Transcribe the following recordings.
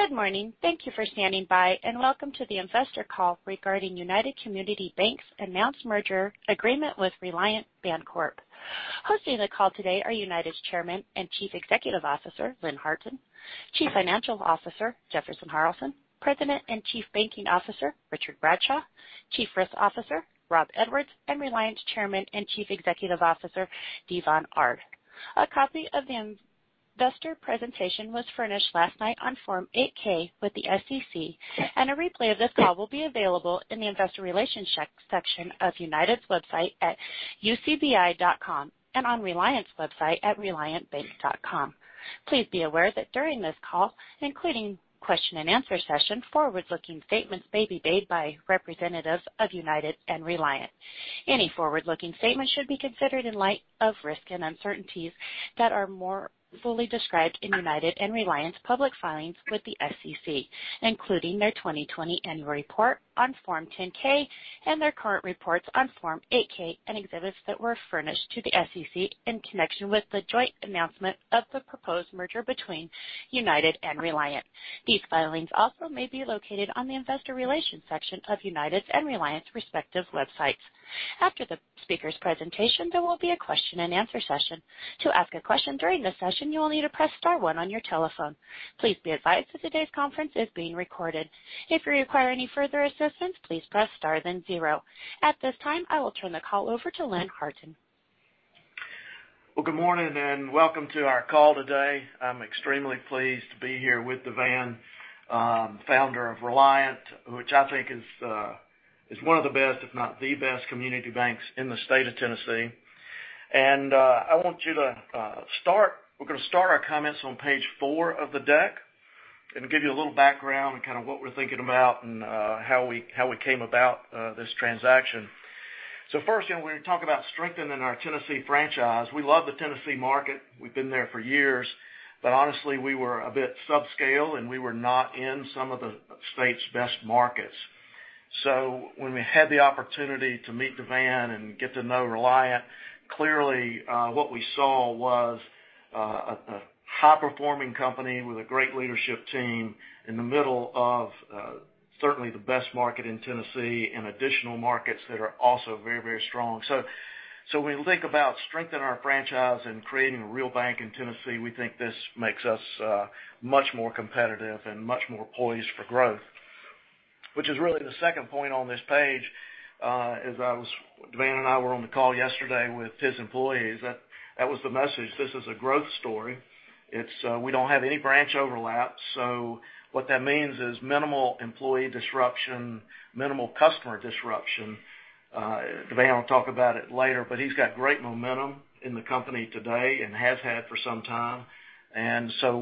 Good morning. Thank you for standing by, and welcome to the investor call regarding United Community Banks' announced merger agreement with Reliant Bancorp. Hosting the call today are United's Chairman and Chief Executive Officer, Lynn Harton; Chief Financial Officer, Jefferson Harralson; President and Chief Banking Officer, Richard Bradshaw; Chief Risk Officer, Rob Edwards; and Reliant Chairman and Chief Executive Officer, DeVan Ard. A copy of the investor presentation was furnished last night on Form 8-K with the SEC, and a replay of this call will be available in the investor relations section of United's website at ucbi.com and on Reliant's website at reliantbank.com. Please be aware that during this call, including question and answer session, forward-looking statements may be made by representatives of United and Reliant. Any forward-looking statements should be considered in light of risks and uncertainties that are more fully described in United and Reliant's public filings with the SEC, including their 2020 annual report on Form 10-K and their current reports on Form 8-K and exhibits that were furnished to the SEC in connection with the joint announcement of the proposed merger between United and Reliant. These filings also may be located on the investor relations section of United's and Reliant's respective websites. After the speakers' presentation, there will be a question and answer session. At this time, I will turn the call over to Lynn Harton. Well, good morning, welcome to our call today. I'm extremely pleased to be here with DeVan, founder of Reliant, which I think is one of the best, if not the best community banks in the state of Tennessee. We're going to start our comments on page four of the deck and give you a little background on kind of what we're thinking about and how we came about this transaction. First, when we talk about strengthening our Tennessee franchise, we love the Tennessee market. We've been there for years, but honestly, we were a bit subscale, and we were not in some of the state's best markets. When we had the opportunity to meet DeVan and get to know Reliant, clearly, what we saw was a high-performing company with a great leadership team in the middle of certainly the best market in Tennessee and additional markets that are also very, very strong. When we think about strengthening our franchise and creating a real bank in Tennessee, we think this makes us much more competitive and much more poised for growth, which is really the second point on this page. As DeVan and I were on the call yesterday with his employees, that was the message. This is a growth story. We don't have any branch overlap, what that means is minimal employee disruption, minimal customer disruption. DeVan Ard will talk about it later, he's got great momentum in the company today and has had for some time,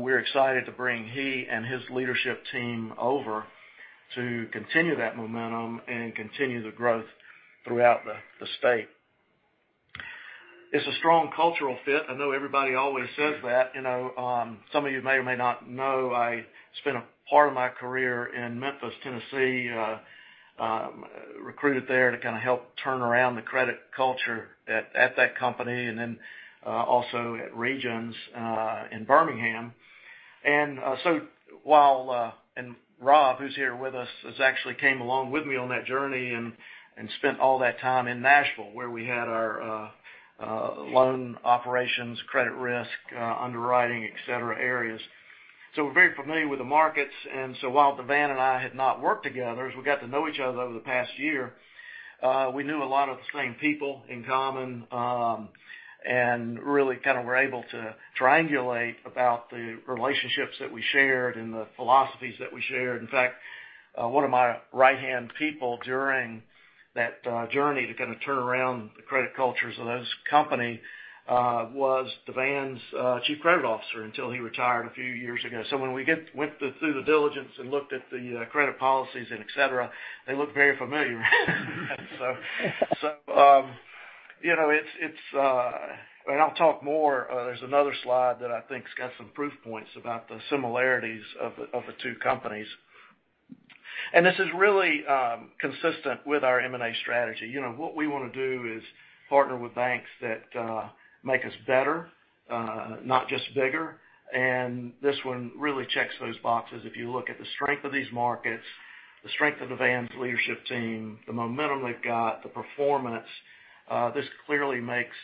we're excited to bring he and his leadership team over to continue that momentum and continue the growth throughout the state. It's a strong cultural fit. I know everybody always says that. Some of you may or may not know, I spent a part of my career in Memphis, Tennessee, recruited there to kind of help turn around the credit culture at that company, then also at Regions in Birmingham. Rob, who's here with us, has actually came along with me on that journey and spent all that time in Nashville, where we had our loan operations, credit risk, underwriting, et cetera, areas. We're very familiar with the markets, and so while DeVan Ard and I had not worked together, as we got to know each other over the past year, we knew a lot of the same people in common, and really kind of were able to triangulate about the relationships that we shared and the philosophies that we shared. In fact, one of my right-hand people during that journey to kind of turn around the credit cultures of those company, was DeVan Ard's chief credit officer until he retired a few years ago. When we went through the diligence and looked at the credit policies and et cetera, they looked very familiar. I'll talk more. There's another slide that I think has got some proof points about the similarities of the two companies. This is really consistent with our M&A strategy. What we want to do is partner with banks that make us better, not just bigger, and this one really checks those boxes. If you look at the strength of these markets, the strength of DeVan Ard's leadership team, the momentum they've got, the performance, this clearly makes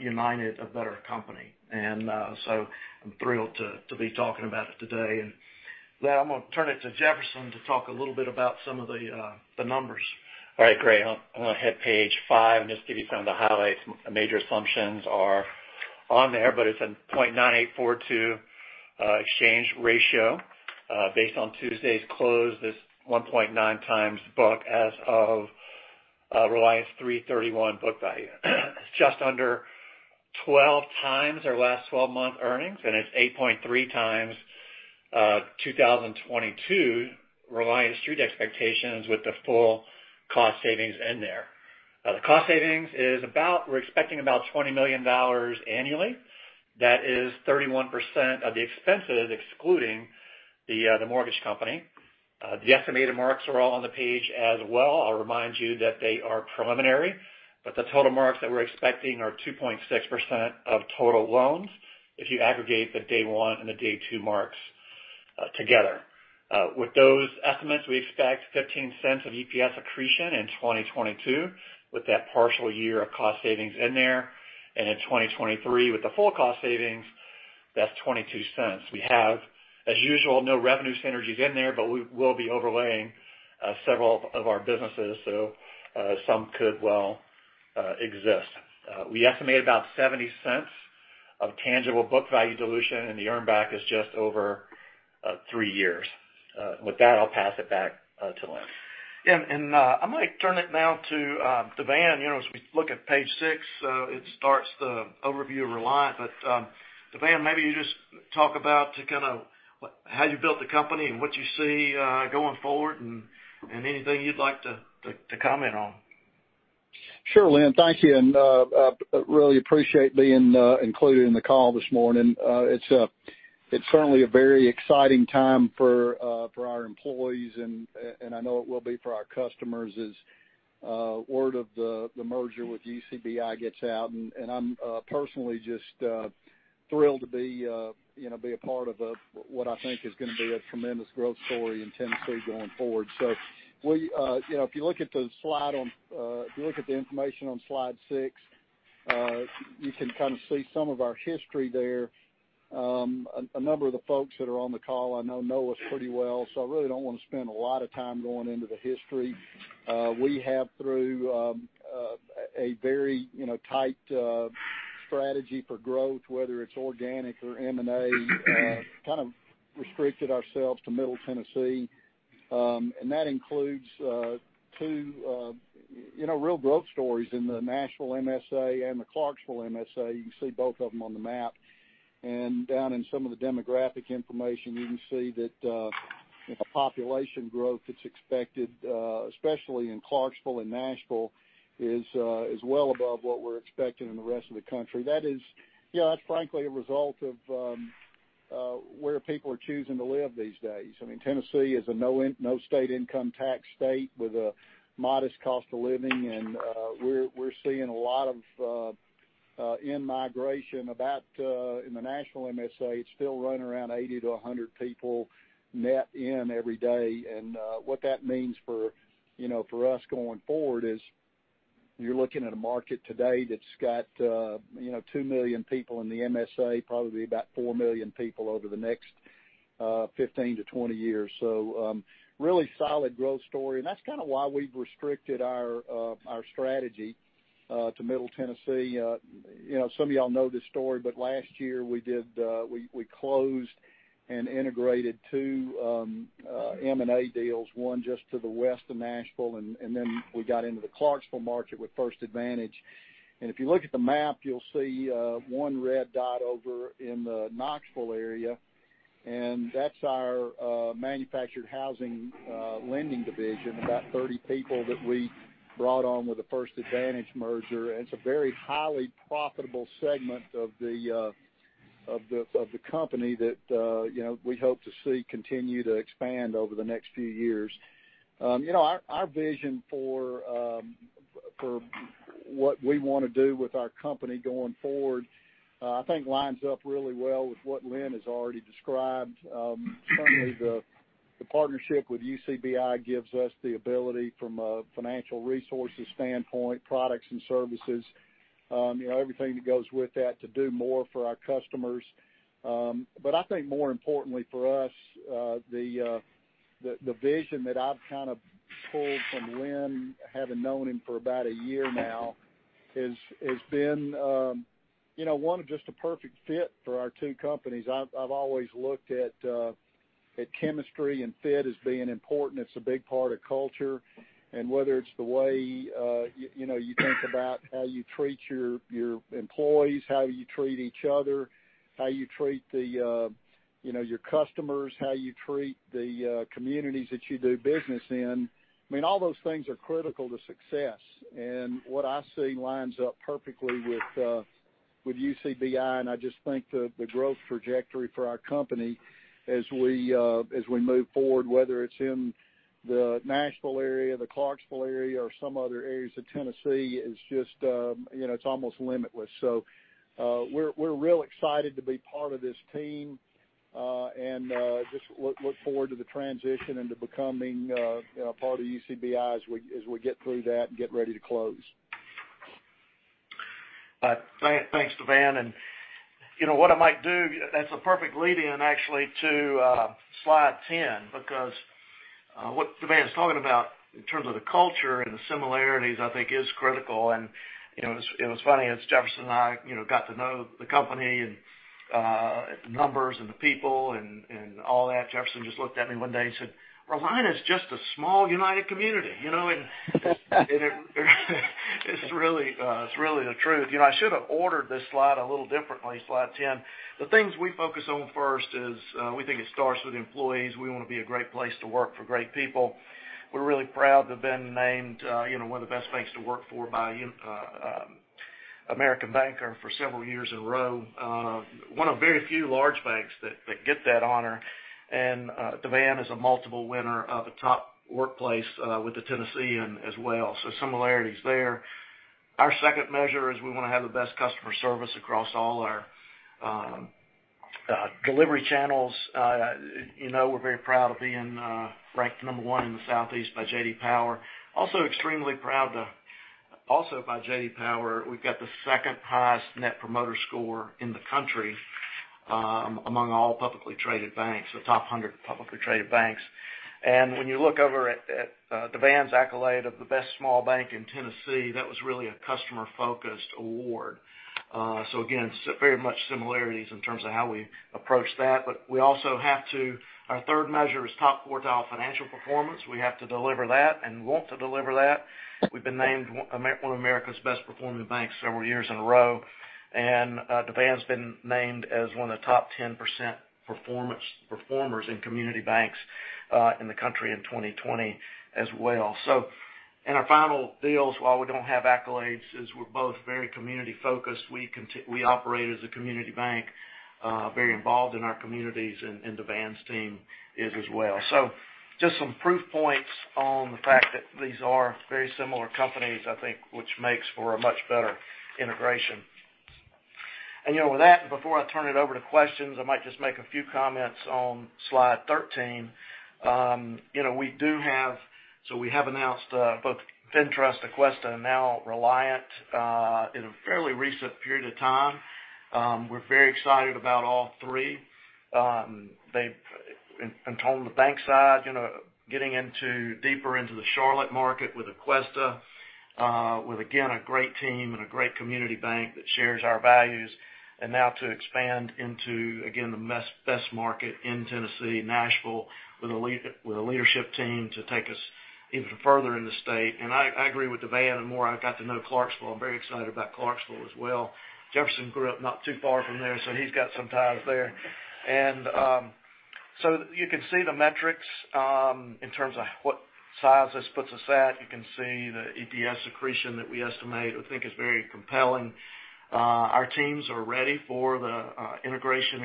United a better company. I'm thrilled to be talking about it today. With that, I'm going to turn it to Jefferson to talk a little bit about some of the numbers. All right, great. I'm going to hit page five and just give you kind of the highlights. Major assumptions are on there, but it's a 0.9842 exchange ratio. Based on Tuesday's close, that's 1.9x book as of Reliant's 3/31 book value. Just under 12x our last 12-month earnings, and it's 8.3x 2022 Reliant street expectations with the full cost savings in there. The cost savings, we're expecting about $20 million annually. That is 31% of the expenses, excluding the mortgage company. The estimated marks are all on the page as well. I'll remind you that they are preliminary, but the total marks that we're expecting are 2.6% of total loans if you aggregate the day one and the day two marks together. With those estimates, we expect $0.15 of EPS accretion in 2022 with that partial year of cost savings in there. In 2023, with the full cost savings, that's $0.22. We have, as usual, no revenue synergies in there, but we will be overlaying several of our businesses, so some could well exist. We estimate about $0.70 of tangible book value dilution, and the earn back is just over three years. With that, I'll pass it back to Lynn. Yeah, I'm going to turn it now to DeVan. As we look at page six, it starts the overview of Reliant. DeVan, maybe you just talk about kind of how you built the company and what you see going forward and anything you'd like to comment on. Sure, Lynn, thank you. Really appreciate being included in the call this morning. It's certainly a very exciting time for our employees and I know it will be for our customers as word of the merger with UCBI gets out. I'm personally just thrilled to be a part of what I think is going to be a tremendous growth story in Tennessee going forward. If you look at the information on slide six, you can kind of see some of our history there. A number of the folks that are on the call I know know us pretty well, I really don't want to spend a lot of time going into the history. We have, through a very tight strategy for growth, whether it's organic or M&A, kind of restricted ourselves to Middle Tennessee, and that includes two real growth stories in the Nashville MSA and the Clarksville MSA. You can see both of them on the map. Down in some of the demographic information, you can see that the population growth that's expected, especially in Clarksville and Nashville, is well above what we're expecting in the rest of the country. That's frankly a result of where people are choosing to live these days. I mean, Tennessee is a no state income tax state with a modest cost of living, and we're seeing a lot of in-migration. About in the Nashville MSA, it's still running around 80-100 people net in every day. What that means for us going forward is you're looking at a market today that's got 2 million people in the MSA, probably about 4 million people over the next 15-20 years. Really solid growth story, and that's kind of why we've restricted our strategy to Middle Tennessee. Some of y'all know this story, but last year we closed and integrated two M&A deals, one just to the west of Nashville, and then we got into the Clarksville market with First Advantage. If you look at the map, you'll see one red dot over in the Knoxville area, and that's our manufactured housing lending division, about 30 people that we brought on with the First Advantage merger. It's a very highly profitable segment of the company that we hope to see continue to expand over the next few years. Our vision for what we want to do with our company going forward, I think lines up really well with what Lynn Harton has already described. Certainly, the partnership with UCBI gives us the ability from a financial resources standpoint, products and services, everything that goes with that, to do more for our customers. I think more importantly for us, the vision that I've kind of pulled from Lynn Harton, having known him for about a year now, has been one of just a perfect fit for our two companies. I've always looked at chemistry and fit as being important. It's a big part of culture, and whether it's the way you think about how you treat your employees, how you treat each other, how you treat your customers, how you treat the communities that you do business in, I mean, all those things are critical to success. What I see lines up perfectly with UCBI, and I just think the growth trajectory for our company as we move forward, whether it's in the Nashville area, the Clarksville area, or some other areas of Tennessee, it's almost limitless. We're real excited to be part of this team, and just look forward to the transition into becoming part of UCBI as we get through that and get ready to close. Thanks, DeVan Ard. What I might do, that's a perfect lead in, actually, to slide 10, because what DeVan Ard is talking about in terms of the culture and the similarities, I think is critical. It was funny, as Jefferson Harralson and I got to know the company and the numbers and the people and all that, Jefferson Harralson just looked at me one day and said, "Reliant is just a small United Community." It's really the truth. I should have ordered this slide a little differently, slide 10. The things we focus on first is we think it starts with employees. We want to be a great place to work for great people. We're really proud to have been named one of the Best Banks to Work For by American Banker for several years in a row. One of very few large banks that get that honor. DeVan Ard is a multiple winner of the Top Workplaces with The Tennessean as well. Similarities there. Our second measure is we want to have the best customer service across all our delivery channels. We're very proud of being ranked number one in the Southeast by J.D. Power. Also extremely proud, also by J.D. Power, we've got the second highest Net Promoter Score in the country among all publicly traded banks, the top 100 publicly traded banks. When you look over at DeVan Ard's accolade of the Best Small Bank in Tennessee, that was really a customer-focused award. Again, very much similarities in terms of how we approach that. Our third measure is top quartile financial performance. We have to deliver that and want to deliver that. We've been named one of America's best performing banks several years in a row, and DeVan Ard's been named as one of the top 10% performers in community banks in the country in 2020 as well. Our final deals, while we don't have accolades, is we're both very community focused. We operate as a community bank, very involved in our communities, and DeVan Ard's team is as well. Just some proof points on the fact that these are very similar companies, I think, which makes for a much better integration. With that, before I turn it over to questions, I might just make a few comments on slide 13. We have announced both FinTrust, Aquesta, and now Reliant in a fairly recent period of time. We're very excited about all three. On the bank side, getting deeper into the Charlotte market with Aquesta, with, again, a great team and a great community bank that shares our values. Now to expand into, again, the best market in Tennessee, Nashville, with a leadership team to take us even further in the state. I agree with DeVan Ard, the more I've got to know Clarksville, I'm very excited about Clarksville as well. Jefferson Harralson grew up not too far from there, so he's got some ties there. So you can see the metrics in terms of what size this puts us at. You can see the EPS accretion that we estimate, I think is very compelling. Our teams are ready for the integration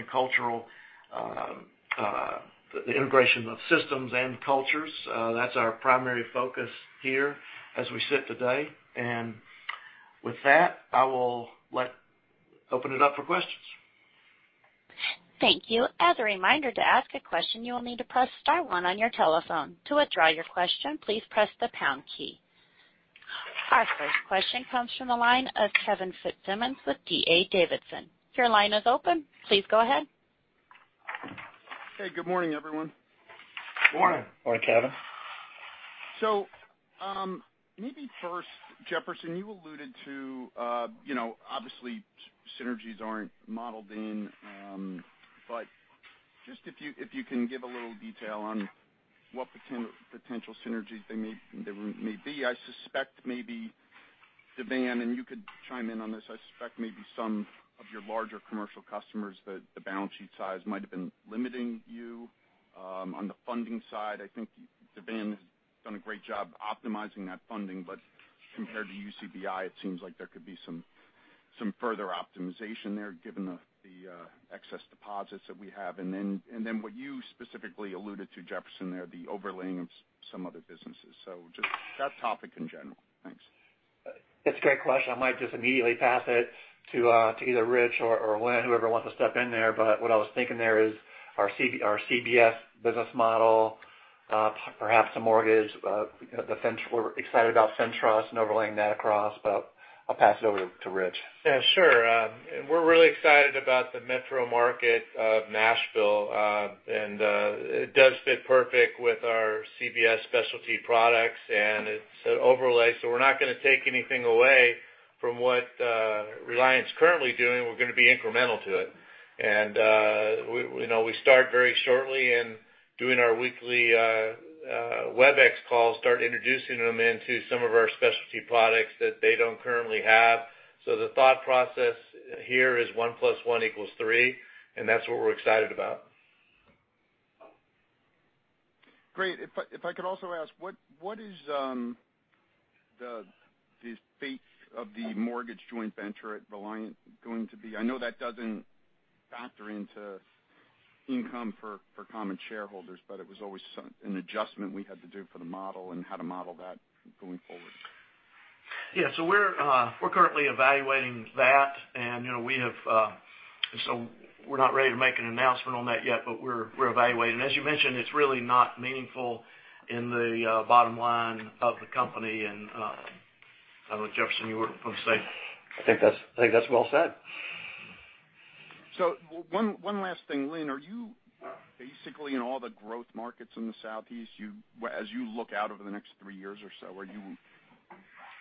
of systems and cultures. That's our primary focus here as we sit today. With that, I will open it up for questions. Thank you. As a reminder, to ask a question, you will need to press star one on your telephone. To withdraw your question, please press the pound key. Our first question comes from the line of Kevin Fitzsimmons with D.A. Davidson. Your line is open. Please go ahead. Hey, good morning, everyone. Morning. Morning, Kevin. Maybe first, Jefferson, you alluded to, obviously synergies aren't modeled in, but just if you can give a little detail on what potential synergies there may be. DeVan, you could chime in on this, I suspect maybe some of your larger commercial customers, the balance sheet size might have been limiting you on the funding side. I think DeVan has done a great job optimizing that funding, but compared to UCBI, it seems like there could be some further optimization there given the excess deposits that we have. Then what you specifically alluded to, Jefferson, there, the overlaying of some other businesses. Just that topic in general. Thanks. It's a great question. I might just immediately pass it to either Rich or Lynn, whoever wants to step in there. What I was thinking there is our CBS business model, perhaps the mortgage, we're excited about FinTrust and overlaying that across, but I'll pass it over to Rich. Yeah, sure. We're really excited about the metro market of Nashville. It does fit perfect with our CBS specialty products and it's an overlay, so we're not going to take anything away from what Reliant's currently doing. We're going to be incremental to it. We start very shortly in doing our weekly WebEx calls, start introducing them into some of our specialty products that they don't currently have. The thought process here is 1+1=3, and that's what we're excited about. Great. If I could also ask, what is the fate of the mortgage joint venture at Reliant going to be? I know that doesn't factor into income for common shareholders, but it was always an adjustment we had to do for the model and how to model that going forward. Yeah. We're currently evaluating that, so we're not ready to make an announcement on that yet, but we're evaluating. As you mentioned, it's really not meaningful in the bottom line of the company. I don't know, Jefferson, you were going to say? I think that's well said. One last thing, Lynn, are you basically in all the growth markets in the Southeast? As you look out over the next three years or so, are you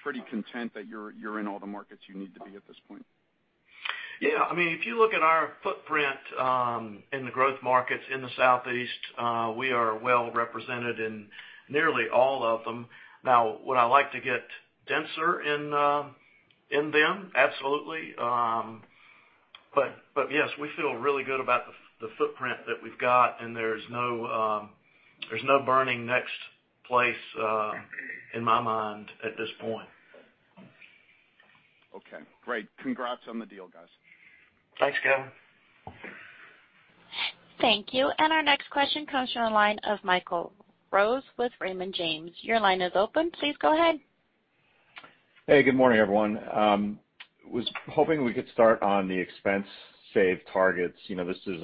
pretty content that you're in all the markets you need to be at this point? Yeah. If you look at our footprint in the growth markets in the Southeast, we are well represented in nearly all of them. Now, would I like to get denser in them? Absolutely. Yes, we feel really good about the footprint that we've got, and there's no burning next place in my mind at this point. Okay, great. Congrats on the deal, guys. Thanks, Kevin. Thank you. Our next question comes from the line of Michael Rose with Raymond James. Your line is open. Please go ahead. Hey, good morning, everyone. Was hoping we could start on the expense save targets. This is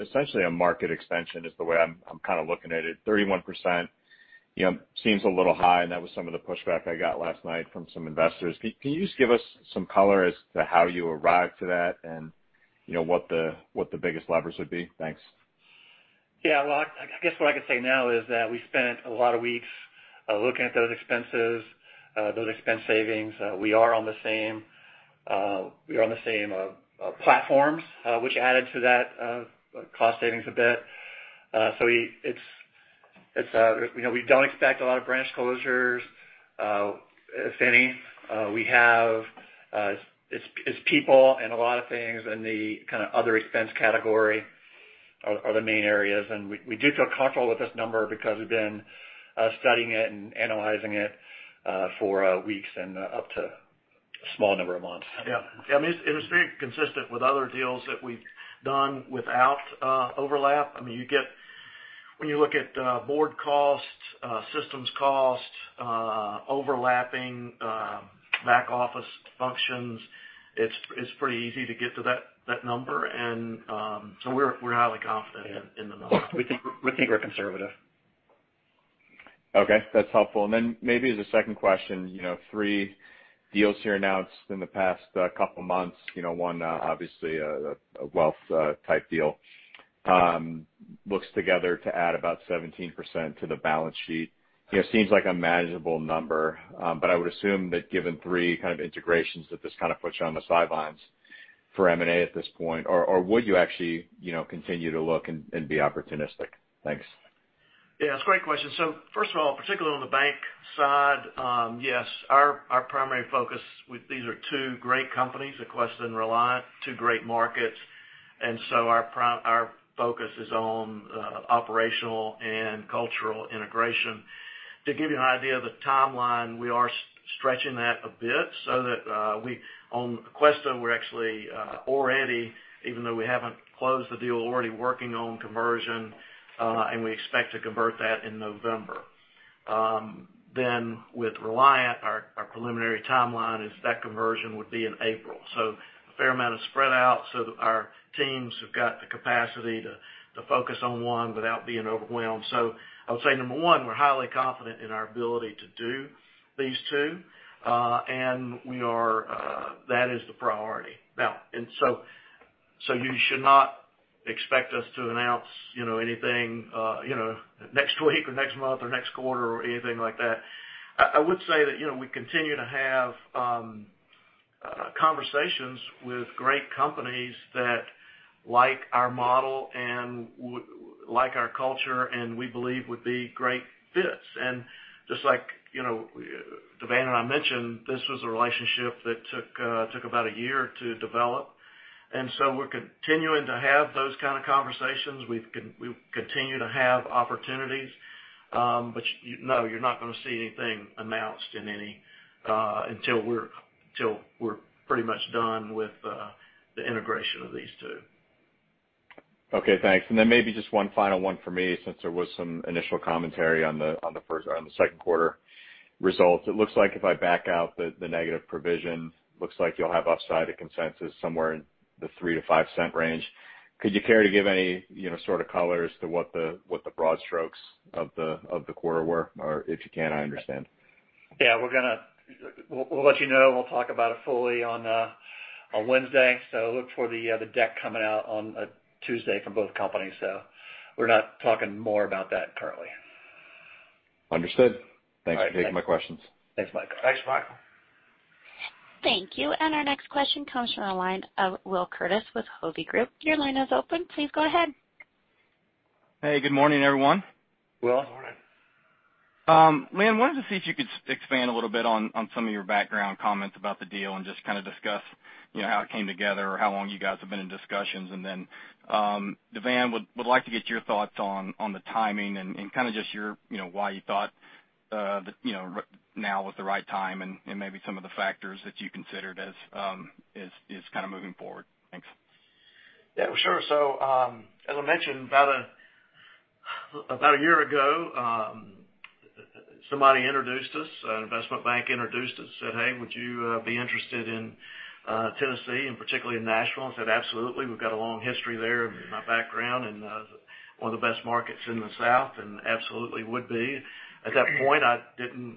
essentially a market expansion, is the way I'm looking at it. 31% seems a little high, and that was some of the pushback I got last night from some investors. Can you just give us some color as to how you arrived to that and what the biggest levers would be? Thanks. Well, I guess what I can say now is that we spent a lot of weeks looking at those expenses, those expense savings. We are on the same platforms, which added to that cost savings a bit. We don't expect a lot of branch closures, if any. It's people and a lot of things in the other expense category are the main areas. We do feel comfortable with this number because we've been studying it and analyzing it for weeks and up to a small number of months. Yeah. It was very consistent with other deals that we've done without overlap. When you look at board costs, systems costs, overlapping back office functions, it's pretty easy to get to that number. We're highly confident in the number. We think we're conservative. Okay, that's helpful. Then maybe as a second question, three deals here announced in the past couple of months. One, obviously, a wealth type deal. Looks together to add about 17% to the balance sheet. Seems like a manageable number. I would assume that given three kind of integrations that this kind of puts you on the sidelines for M&A at this point, or would you actually continue to look and be opportunistic? Thanks. Yeah, it's a great question. First of all, particularly on the bank side, yes, our primary focus with these are two great companies, Aquesta and Reliant, two great markets. Our focus is on operational and cultural integration. To give you an idea of the timeline, we are stretching that a bit so that we, on Aquesta, we're actually already, even though we haven't closed the deal, already working on conversion, and we expect to convert that in November. With Reliant, our preliminary timeline is that conversion would be in April. A fair amount of spread out so that our teams have got the capacity to focus on one without being overwhelmed. I would say, number one, we're highly confident in our ability to do these two. That is the priority. You should not expect us to announce anything next week or next month or next quarter or anything like that. I would say that we continue to have conversations with great companies that like our model and like our culture, and we believe would be great fits. Just like DeVan and I mentioned, this was a relationship that took about a year to develop. We're continuing to have those kind of conversations. We continue to have opportunities. No, you're not going to see anything announced until we're pretty much done with the integration of these two. Okay, thanks. Maybe just one final one for me, since there was some initial commentary on the Q2 results. It looks like if I back out the negative provision, looks like you'll have upside of consensus somewhere in the $0.03-$0.05 range. Could you care to give any sort of color as to what the broad strokes of the quarter were? If you can't, I understand. Yeah, we'll let you know. We'll talk about it fully on Wednesday. Look for the deck coming out on Tuesday from both companies. We're not talking more about that currently. Understood. Thanks. That takes my questions. Thanks, Michael. Thanks, Michael. Thank you. Our next question comes from the line of Will Curtiss with Hovde Group. Your line is open. Please go ahead. Hey, good morning, everyone. Will. Morning. Lynn, wanted to see if you could expand a little bit on some of your background comments about the deal and just kind of discuss how it came together or how long you guys have been in discussions. DeVan, would like to get your thoughts on the timing and kind of just why you thought now was the right time and maybe some of the factors that you considered as kind of moving forward. Thanks. Yeah, sure. As I mentioned, about a year ago, somebody introduced us, an investment bank introduced us, said, "Hey, would you be interested in Tennessee, and particularly in Nashville?" I said, "Absolutely. We've got a long history there in my background and one of the best markets in the South, and absolutely would be." At that point, I didn't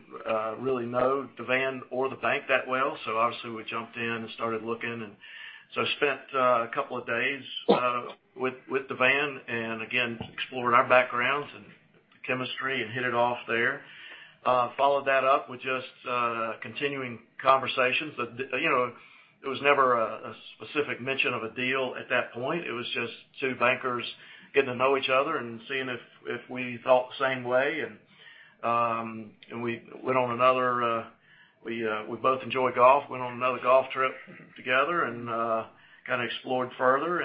really know DeVan or the bank that well, so obviously we jumped in and started looking and so spent a couple of days with DeVan and again, explored our backgrounds and chemistry and hit it off there. Followed that up with just continuing conversations. It was never a specific mention of a deal. At that point, it was just two bankers getting to know each other and seeing if we thought the same way. We both enjoy golf, went on another golf trip together and explored further.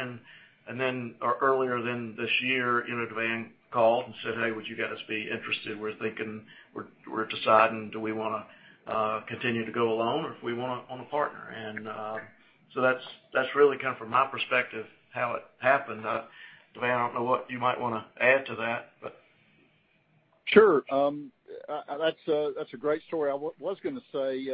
Earlier this year, DeVan called and said, "Hey, would you guys be interested? We're deciding, do we want to continue to go alone, or if we want a partner?" That's really from my perspective, how it happened. DeVan, I don't know what you might want to add to that. Sure. That's a great story. I was going to say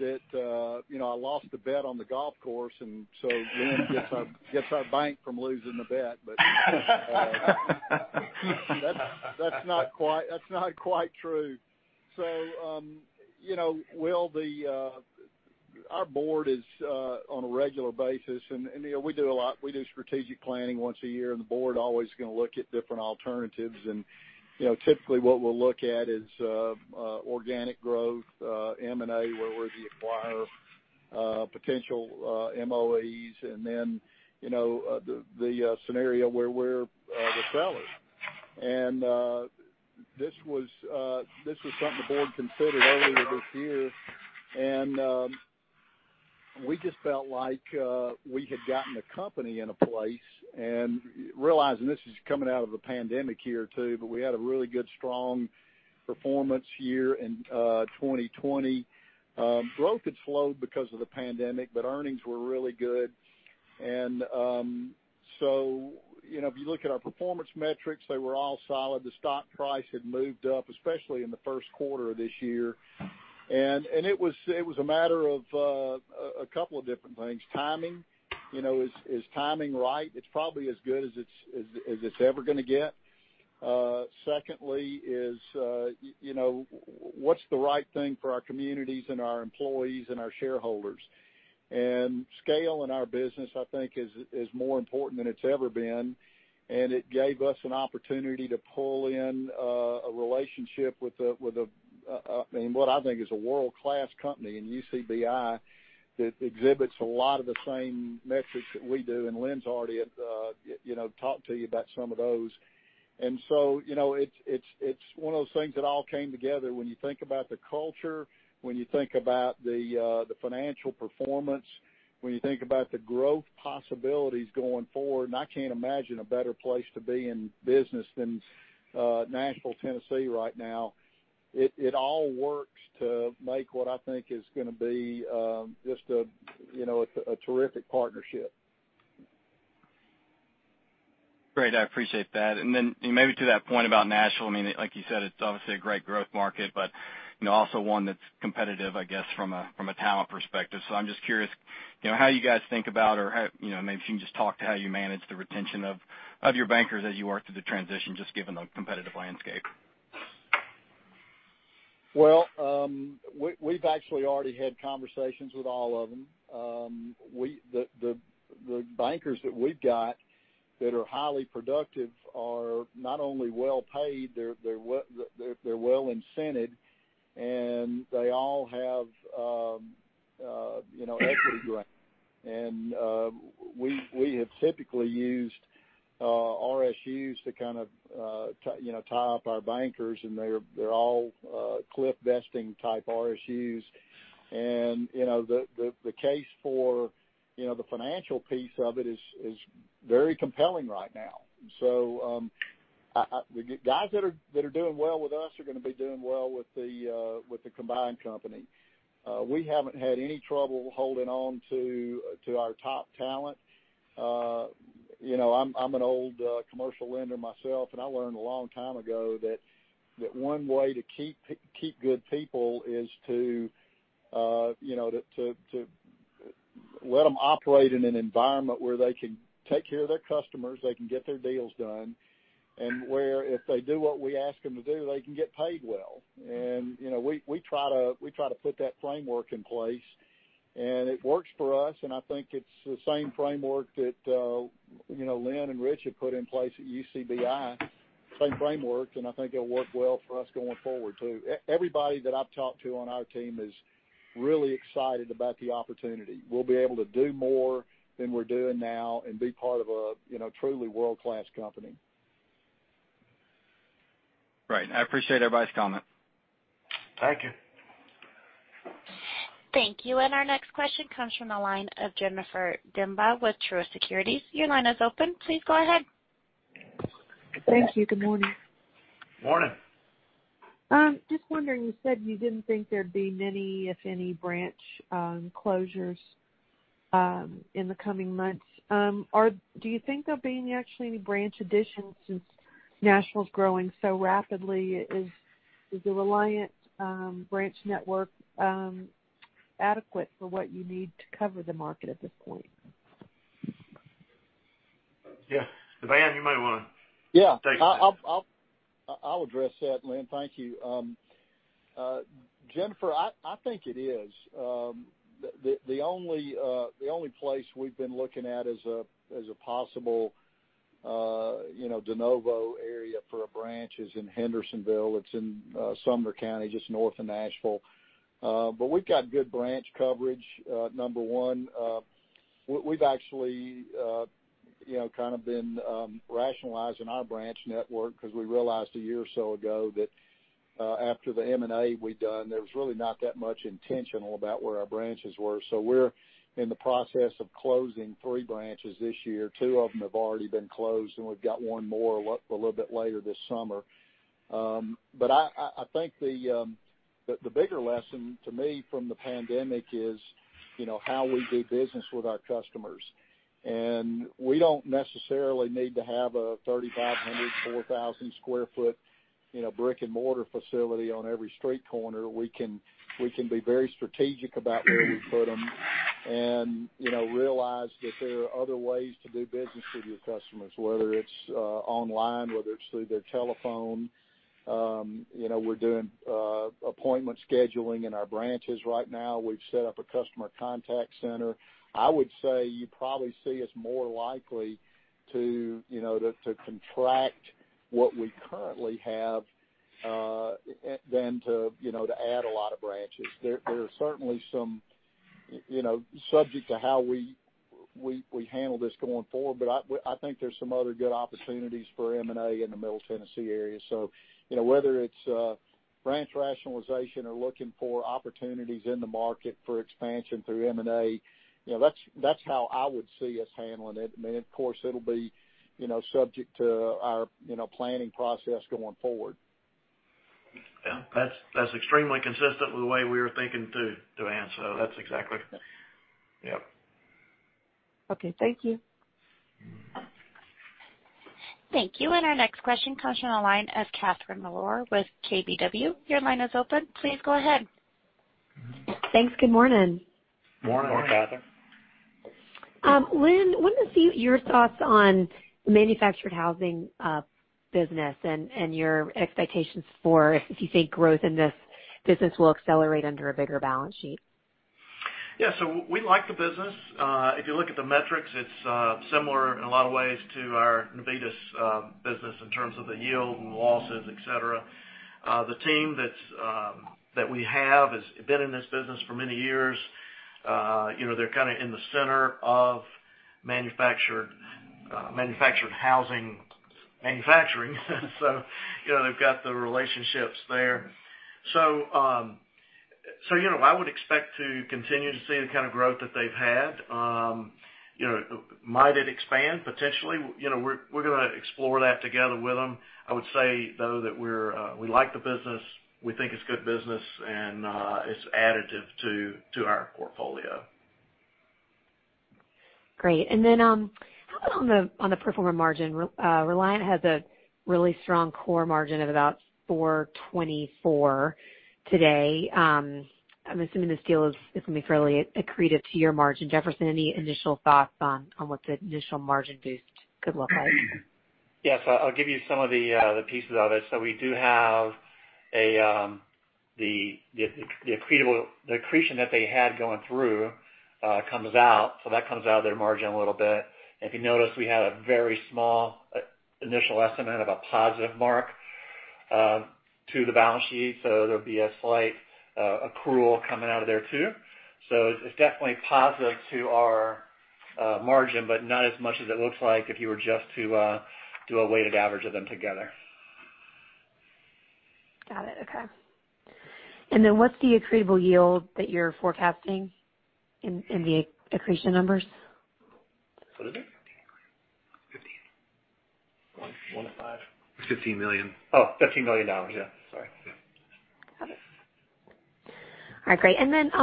that I lost a bet on the golf course, and so Lynn Harton gets our bank from losing the bet. That's not quite true. Our board is on a regular basis, and we do a lot. We do strategic planning once a year, and the board always is going to look at different alternatives. Typically, what we'll look at is organic growth, M&A, where we're the acquirer, potential MOEs, and then the scenario where we're the seller. This was something the board considered earlier this year, and we just felt like we had gotten the company in a place, and realizing this is coming out of the pandemic year, too. We had a really good, strong performance year in 2020. Growth had slowed because of the pandemic, but earnings were really good. If you look at our performance metrics, they were all solid. The stock price had moved up, especially in the Q1 of this year. It was a matter of a couple of different things. Timing, is timing right? It's probably as good as it's ever going to get. Secondly is, what's the right thing for our communities and our employees and our shareholders? Scale in our business, I think, is more important than it's ever been. It gave us an opportunity to pull in a relationship with what I think is a world-class company in UCBI, that exhibits a lot of the same metrics that we do, and Lynn's already talked to you about some of those. It's one of those things that all came together when you think about the culture, when you think about the financial performance, when you think about the growth possibilities going forward. I can't imagine a better place to be in business than Nashville, Tennessee, right now. It all works to make what I think is going to be just a terrific partnership. Great. I appreciate that. Maybe to that point about Nashville, like you said, it's obviously a great growth market, but also one that's competitive, I guess, from a talent perspective. I'm just curious how you guys think about, or maybe if you can just talk to how you manage the retention of your bankers as you work through the transition, just given the competitive landscape. Well, we've actually already had conversations with all of them. The bankers that we've got that are highly productive are not only well paid, they're well incented, and they all have equity grant. We have typically used RSUs to tie up our bankers, and they're all cliff vesting type RSUs. The case for the financial piece of it is very compelling right now. Guys that are doing well with us are going to be doing well with the combined company. We haven't had any trouble holding on to our top talent. I'm an old commercial lender myself, and I learned a long time ago that one way to keep good people is to let them operate in an environment where they can take care of their customers, they can get their deals done, and where if they do what we ask them to do, they can get paid well. We try to put that framework in place, and it works for us, and I think it's the same framework that Lynn and Richard have put in place at UCBI. Same framework, I think it'll work well for us going forward, too. Everybody that I've talked to on our team is really excited about the opportunity. We'll be able to do more than we're doing now and be part of a truly world-class company. Right. I appreciate everybody's comment. Thank you. Thank you. Our next question comes from the line of Jennifer Demba with Truist Securities. Your line is open. Please go ahead. Thank you. Good morning. Morning. Just wondering, you said you didn't think there'd be many, if any, branch closures in the coming months. Do you think there'll be any actually branch additions since Nashville's growing so rapidly? Is the Reliant branch network adequate for what you need to cover the market at this point? Yeah. DeVan, you might want to take that. Yeah. I'll address that, Lynn. Thank you. Jennifer, I think it is. The only place we've been looking at as a possible de novo area for a branch is in Hendersonville. It's in Sumner County, just north of Nashville. We've got good branch coverage, number one. We've actually been rationalizing our branch network because we realized a year or so ago that after the M&A we'd done, there was really not that much intentional about where our branches were. We're in the process of closing three branches this year. Two of them have already been closed, and we've got one more a little bit later this summer. I think the bigger lesson to me from the pandemic is how we do business with our customers. We don't necessarily need to have a 3,500, 4,000 square foot brick and mortar facility on every street corner. We can be very strategic about where we put them and realize that there are other ways to do business with your customers, whether it's online, whether it's through their telephone. We're doing appointment scheduling in our branches right now. We've set up a customer contact center. I would say you probably see us more likely to contract what we currently have, than to add a lot of branches. There are certainly some, subject to how we handle this going forward, but I think there's some other good opportunities for M&A in the Middle Tennessee area. Whether it's branch rationalization or looking for opportunities in the market for expansion through M&A, that's how I would see us handling it. Of course, it'll be subject to our planning process going forward. Yeah. That's extremely consistent with the way we were thinking too, DeVan. That's exactly. Yep. Okay. Thank you. Thank you. Our next question comes from the line of Catherine Mealor with KBW. Your line is open. Please go ahead. Thanks. Good morning. Morning, Catherine. Lynn, what are your thoughts on the manufactured housing business and your expectations for if you think growth in this business will accelerate under a bigger balance sheet? Yeah. We like the business. If you look at the metrics, it's similar in a lot of ways to our Navitas business in terms of the yield and the losses, et cetera. The team that we have has been in this business for many years. They're kind of in the center of manufactured housing manufacturing, so they've got the relationships there. I would expect to continue to see the kind of growth that they've had. Might it expand potentially? We're going to explore that together with them. I would say, though, that we like the business. We think it's good business, and it's additive to our portfolio. Great. How about on the pro forma margin? Reliant has a really strong core margin of about 424 today. I'm assuming this deal is going to be fairly accretive to your margin. Jefferson, any initial thoughts on what the initial margin boost could look like? Yes. I'll give you some of the pieces of it. We do have the accretion that they had going through comes out, so that comes out of their margin a little bit. If you notice, we had a very small initial estimate of a positive mark to the balance sheet, so there'll be a slight accrual coming out of there, too. It's definitely positive to our margin, but not as much as it looks like if you were just to do a weighted average of them together. Got it. Okay. What's the accretive yield that you're forecasting in the accretion numbers? What is it? 15. One to five. $15 million. Oh, $15 million. Yeah. Sorry. Got it. All right, great.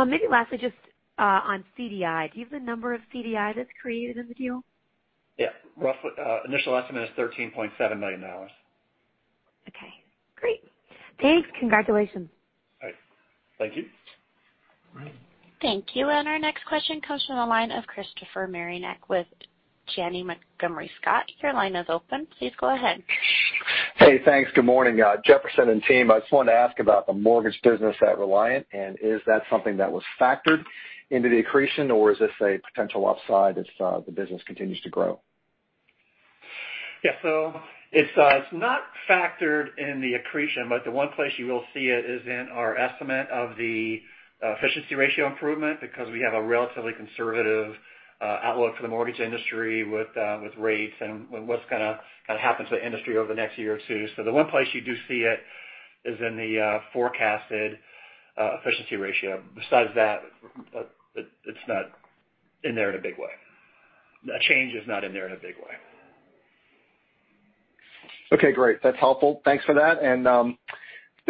Maybe lastly, just on CDI. Do you have the number of CDI that's created in the deal? Yeah. Initial estimate is $13.7 million. Okay, great. Thanks. Congratulations. All right. Thank you. All right. Thank you. Our next question comes from the line of Christopher Marinac with Janney Montgomery Scott. Your line is open. Please go ahead. Hey, thanks. Good morning, Jefferson and team. I just wanted to ask about the mortgage business at Reliant, and is that something that was factored into the accretion, or is this a potential upside as the business continues to grow? Yeah. It's not factored in the accretion, but the one place you will see it is in our estimate of the efficiency ratio improvement, because we have a relatively conservative outlook for the mortgage industry with rates and what's going to happen to the industry over the next year or two. The one place you do see it is in the forecasted efficiency ratio. Besides that, it's not in there in a big way. That change is not in there in a big way. Okay, great. That's helpful. Thanks for that.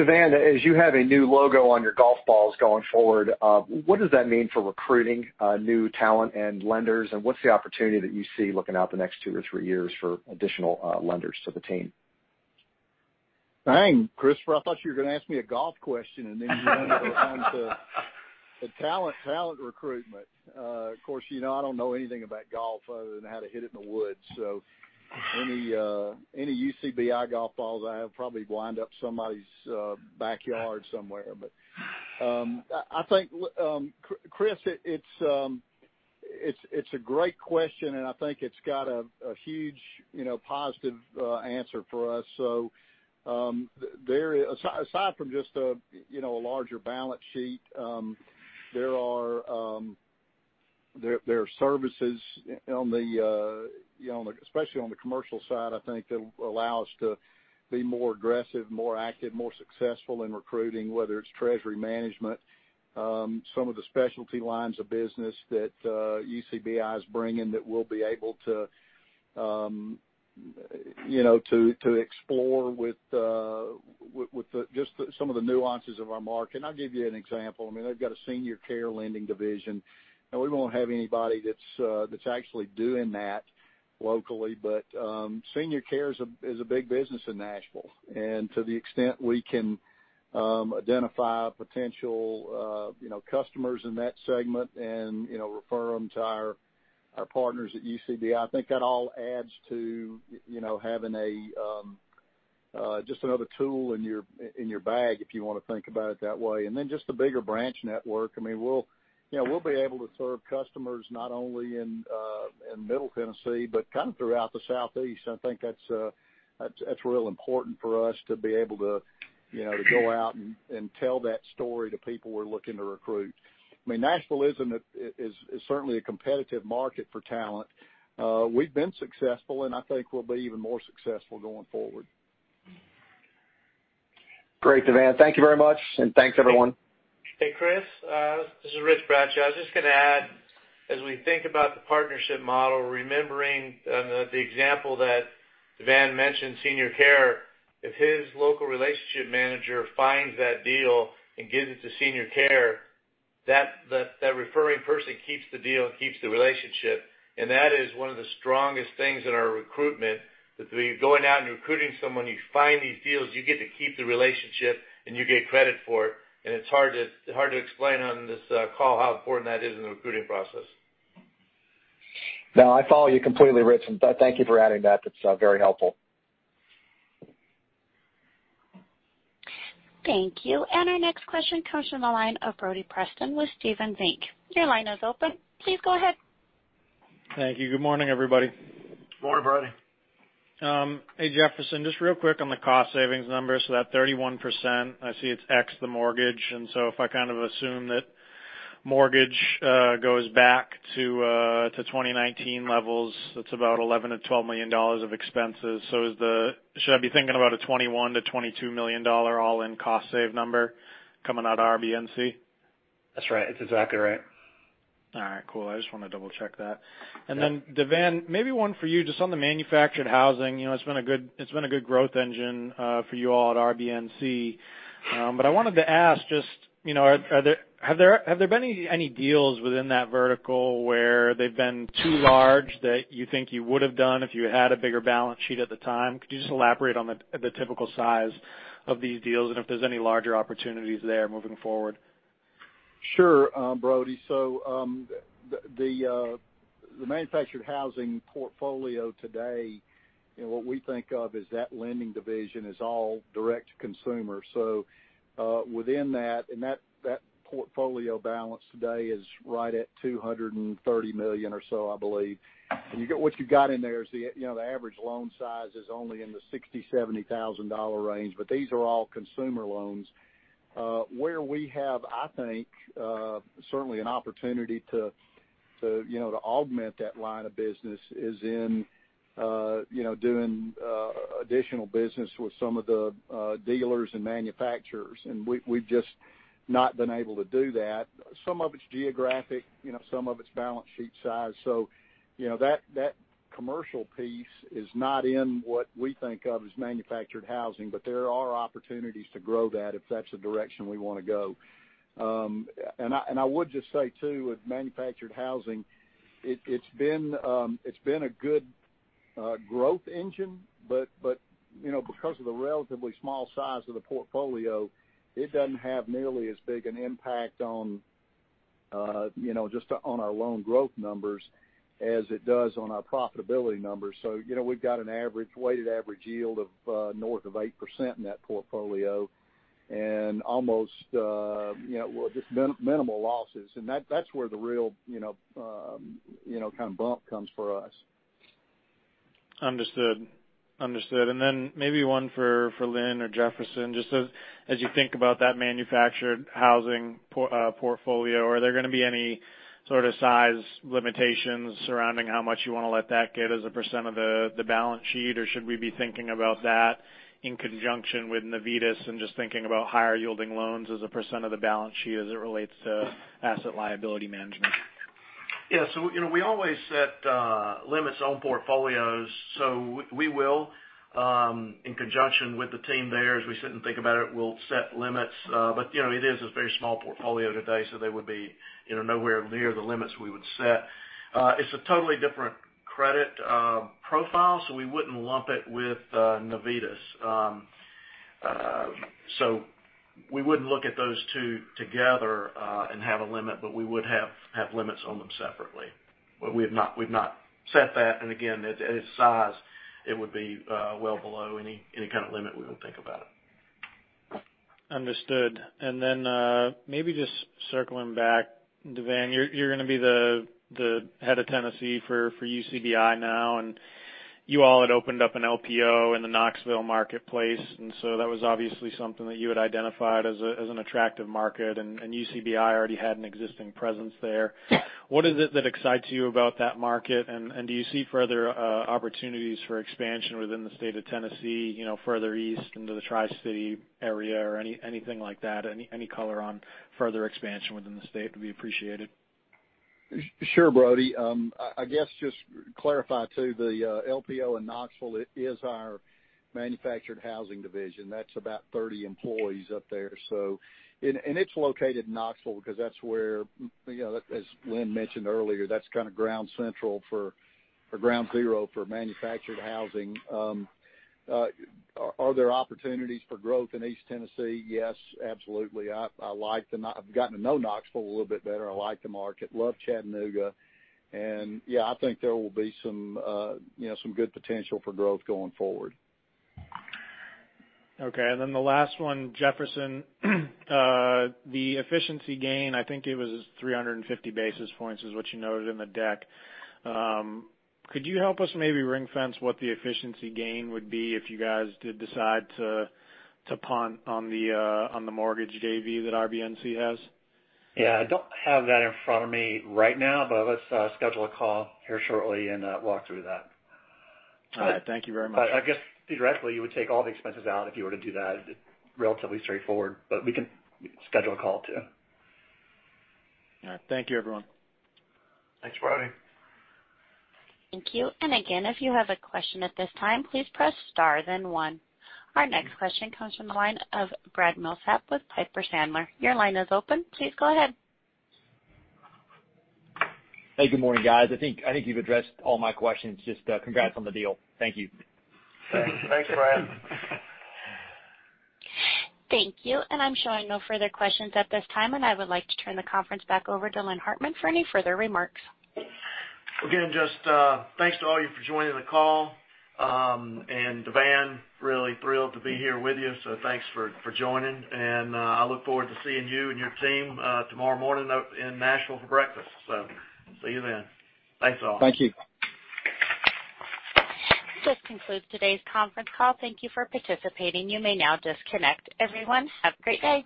DeVan, as you have a new logo on your golf balls going forward, what does that mean for recruiting new talent and lenders, and what's the opportunity that you see looking out the next two or three years for additional lenders to the team? Dang, Christopher, I thought you were going to ask me a golf question, and then you went over on to the talent recruitment. Of course, I don't know anything about golf other than how to hit it in the woods, so any UCBI golf balls I have probably wind up somebody's backyard somewhere. I think, Chris, it's a great question, and I think it's got a huge positive answer for us. Aside from just a larger balance sheet, there are services, especially on the commercial side, I think, that allow us to be more aggressive, more active, more successful in recruiting, whether it's treasury management, some of the specialty lines of business that UCBI is bringing that we'll be able to explore with just some of the nuances of our market. I'll give you an example. They've got a senior care lending division, and we won't have anybody that's actually doing that locally. Senior care is a big business in Nashville. To the extent we can identify potential customers in that segment and refer them to our partners at UCBI, I think that all adds to having just another tool in your bag, if you want to think about it that way. Just the bigger branch network, we'll be able to serve customers not only in middle Tennessee, but kind of throughout the Southeast. I think that's real important for us to be able to go out and tell that story to people we're looking to recruit. Nashville is certainly a competitive market for talent. We've been successful, and I think we'll be even more successful going forward. Great, DeVan. Thank you very much, and thanks, everyone. Hey, Chris, this is Rich Bradshaw. I was just going to add, as we think about the partnership model, remembering the example that DeVan mentioned, senior care. If his local relationship manager finds that deal and gives it to senior care, that referring person keeps the deal and keeps the relationship. That is one of the strongest things in our recruitment, that when you're going out and recruiting someone, you find these deals, you get to keep the relationship, and you get credit for it. It's hard to explain on this call how important that is in the recruiting process. No, I follow you completely, Rich, and thank you for adding that. That's very helpful. Thank you. Our next question comes from the line of Brody Preston with Stephens Inc. Your line is open. Please go ahead. Thank you. Good morning, everybody. Morning, Brody. Hey, Jefferson, just real quick on the cost savings numbers. That 31%, I see it's X the mortgage. If I kind of assume that mortgage goes back to 2019 levels, that's about $11 million-$12 million of expenses. Should I be thinking about a $21 million-$22 million all-in cost save number coming out of RBNC? That's right. That's exactly right. All right, cool. I just wanted to double-check that. DeVan Ard, maybe one for you, just on the manufactured housing. It's been a good growth engine for you all at RBNC. I wanted to ask just have there been any deals within that vertical where they've been too large that you think you would have done if you had a bigger balance sheet at the time? Could you just elaborate on the typical size of these deals and if there's any larger opportunities there moving forward? Sure, Brody. The manufactured housing portfolio today, and what we think of as that lending division, is all direct to consumer. Within that, and that portfolio balance today is right at $230 million or so, I believe. What you got in there is the average loan size is only in the $60,000, $70,000 range, but these are all consumer loans. Where we have, I think, certainly an opportunity to augment that line of business is in doing additional business with some of the dealers and manufacturers, and we've just not been able to do that. Some of it's geographic, some of it's balance sheet size. That commercial piece is not in what we think of as manufactured housing, but there are opportunities to grow that if that's the direction we want to go. I would just say, too, with manufactured housing, it's been a good growth engine, but because of the relatively small size of the portfolio, it doesn't have nearly as big an impact just on our loan growth numbers as it does on our profitability numbers. We've got a weighted average yield of north of 8% in that portfolio and just minimal losses. That's where the real kind of bump comes for us. Understood. Maybe one for Lynn or Jefferson, just as you think about that manufactured housing portfolio, are there going to be any sort of size limitations surrounding how much you want to let that get as a percent of the balance sheet? Should we be thinking about that in conjunction with Navitas and just thinking about higher yielding loans as a percent of the balance sheet as it relates to asset liability management? Yes. We always set limits on portfolios, so we will, in conjunction with the team there, as we sit and think about it, we'll set limits. It is a very small portfolio today, so they would be nowhere near the limits we would set. It's a totally different credit profile, so we wouldn't lump it with Navitas. We wouldn't look at those two together and have a limit, but we would have limits on them separately. We've not set that. Again, at its size, it would be well below any kind of limit we would think about. Understood. Maybe just circling back, DeVan, you're going to be the head of Tennessee for UCBI now, and you all had opened up an LPO in the Knoxville marketplace, and so that was obviously something that you had identified as an attractive market, and UCBI already had an existing presence there. What is it that excites you about that market, and do you see further opportunities for expansion within the state of Tennessee, further east into the Tri-City area or anything like that? Any color on further expansion within the state would be appreciated. Sure, Brody. I guess just to clarify too, the LPO in Knoxville is our manufactured housing division. That's about 30 employees up there. It's located in Knoxville because that's where, as Lynn mentioned earlier, that's kind of ground central for or ground zero for manufactured housing. Are there opportunities for growth in East Tennessee? Yes, absolutely. I've gotten to know Knoxville a little bit better. I like the market, love Chattanooga, and yeah, I think there will be some good potential for growth going forward. Okay, the last one, Jefferson. The efficiency gain, I think it was 350 basis points is what you noted in the deck. Could you help us maybe ring-fence what the efficiency gain would be if you guys did decide to punt on the mortgage JV that RBNC has? Yeah, I don't have that in front of me right now, but let's schedule a call here shortly and walk through that. All right. Thank you very much. I guess theoretically, you would take all the expenses out if you were to do that. Relatively straightforward, but we can schedule a call too. All right. Thank you, everyone. Thanks, Brody. Thank you. Again, if you have a question at this time, please press star then one. Our next question comes from the line of Brad Milsaps with Piper Sandler. Your line is open. Please go ahead. Hey, good morning, guys. I think you've addressed all my questions. Just congrats on the deal. Thank you. Thanks, Brad. Thank you. I'm showing no further questions at this time. I would like to turn the conference back over to Lynn Harton for any further remarks. Again, just thanks to all of you for joining the call. DeVan Ard, really thrilled to be here with you, so thanks for joining, and I look forward to seeing you and your team tomorrow morning out in Nashville for breakfast. See you then. Thanks, all. Thank you. This concludes today's conference call. Thank you for participating. You may now disconnect. Everyone, have a great day.